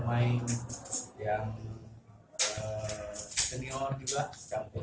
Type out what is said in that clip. dan saya mengapresiasi tim persit jember